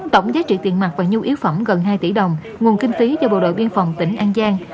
tổng giá trị tiền mặt và nhu yếu phẩm gần hai tỷ đồng nguồn kinh phí cho bộ đội biên phòng tỉnh an giang